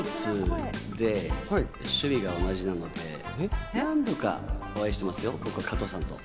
えっと、スポーツで趣味が同じなので、何度かお会いしてますよ、加藤さんと。